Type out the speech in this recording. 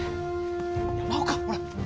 山岡ほら。